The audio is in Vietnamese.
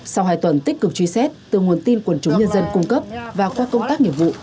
sau hai tuần tích cực truy xét từ nguồn tin quần chúng nhân dân cung cấp và qua công tác nhiệm vụ